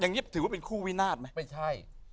อย่างนี้ถือว่าเป็นคู่วินาศไหมไม่ใช่